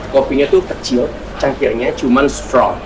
kopinya itu kecil cangkirnya cuma strong